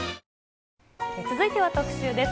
続いては特シューです。